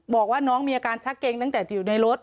บอกว่าน้องมีอาการชักเกงตั้งแต่อยู่ในรถ